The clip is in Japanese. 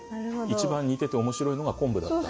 一番似てて面白いのが昆布だった。